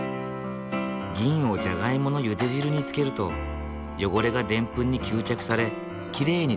銀をジャガイモのゆで汁につけると汚れがでんぷんに吸着されきれいに取れる。